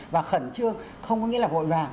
và khẩn trương không có nghĩa là vội vàng